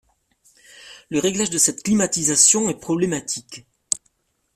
Le réglage de cette climatisation est problématique.